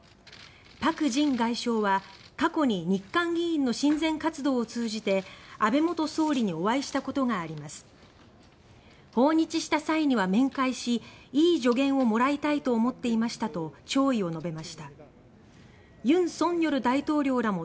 パク・ジン外相は「過去に日韓議員の親善活動を通じて安倍元首相にお会いしたことがあります訪日した際には面会しいい助言をもらいたいと思っていました」と弔意を述べました。